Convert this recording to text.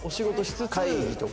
会議とか。